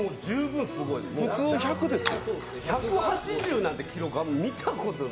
普通、１００ですよ。